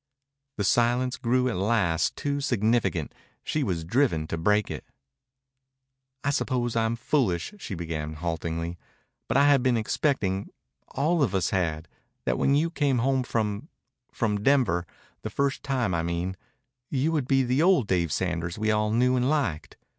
The silence grew at last too significant. She was driven to break it. "I suppose I'm foolish," she began haltingly. "But I had been expecting all of us had that when you came home from from Denver the first time, I mean you would be the old Dave Sanders we all knew and liked.